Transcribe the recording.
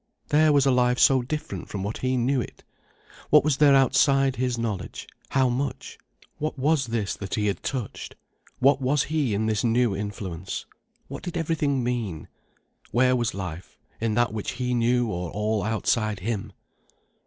There was a life so different from what he knew it. What was there outside his knowledge, how much? What was this that he had touched? What was he in this new influence? What did everything mean? Where was life, in that which he knew or all outside him?